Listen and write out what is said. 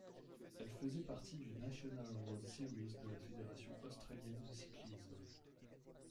Elle faisait partie du National Road Series de la Fédération australienne de cyclisme.